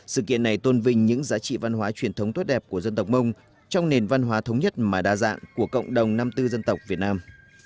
sự kiện này tôn vinh những giá trị văn hóa truyền thống tốt đẹp của dân tộc mông trong nền văn hóa thống nhất mà đa dạng của cộng đồng năm mươi bốn dân tộc việt nam